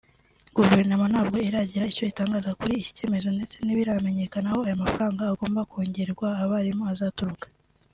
Guverinoma ntabwo iragira icyo itangaza kuri iki cyemezo ndetse ntibiramenyekana aho aya mafaranga agomba kongerwa abarimu azaturuka